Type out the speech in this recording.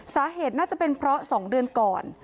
สาเหตุน่าจะเป็นเพราะ๒เดือนก่อน